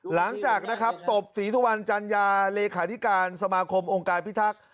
หลังจากนะครับตบศรีสุวรรณจัญญาเลขาธิการสมาคมองค์การพิทักษ์